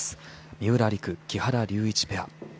三浦璃来、木原龍一ペア。